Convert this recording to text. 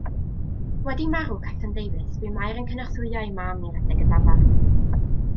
Wedi marw Capten Davies bu Mair yn cynorthwyo ei mam i redeg y dafarn.